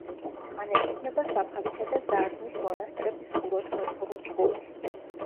განეკუთვნება საფარისა და ზარზმის მონასტრების ხუროთმოძღვრულ ჯგუფს.